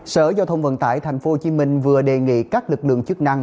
sở giao thông vận tải tp hcm vừa đề nghị các lực lượng chức năng